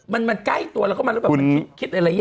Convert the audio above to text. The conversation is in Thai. มันใกล้ตัวแล้วก็มันคิดอะไรอย่าง